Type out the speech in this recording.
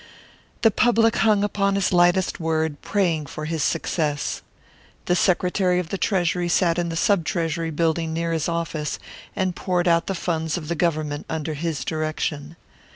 The public hung upon his lightest word, praying for his success. The Secretary of the Treasury sat in the Sub Treasury building near his office, and poured out the funds of the Government under his direction.